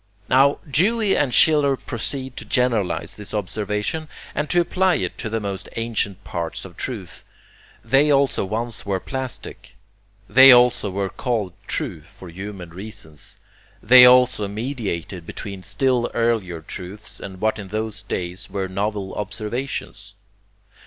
Now Dewey and Schiller proceed to generalize this observation and to apply it to the most ancient parts of truth. They also once were plastic. They also were called true for human reasons. They also mediated between still earlier truths and what in those days were novel observations.